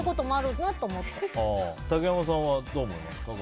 竹山さんはどう思いますか。